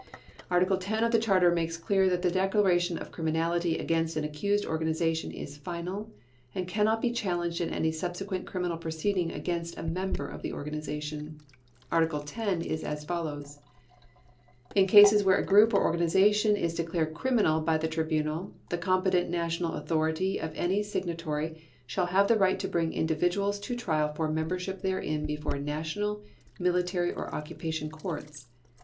Article 10 of the Charter makes clear that the declaration of criminality against an accused organization is final, and cannot be challenged in any subsequent criminal proceeding against a member of the organization. Article 10 is as follows: "In cases where a group or organization is declared criminal by the Tribunal, the competent national authority of any Signatory shall have the right to bring individuals to trial for membership therein before national, military or occupation courts.